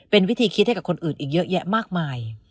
เป็นวิธีคิดให้กับคนอื่นอีกเยอะแยะมากมาย